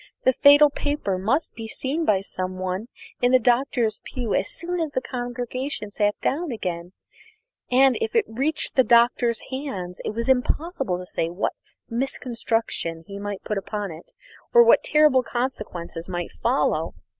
The fatal paper must be seen by some one in the Doctor's pew as soon as the congregation sat down again; and, if it reached the Doctor's hands, it was impossible to say what misconstruction he might put upon it or what terrible consequences might not follow.